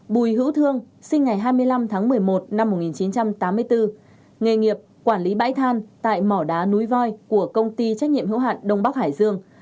bùi hữu thương sinh ngày hai mươi năm tháng một mươi một năm một nghìn chín trăm tám mươi bốn nghề nghiệp quản lý bãi than tại mỏ đá núi voi của công ty trách nhiệm hữu hạn đông bắc hải dương